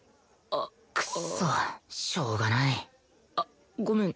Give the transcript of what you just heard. クソッしょうがないあっごめん。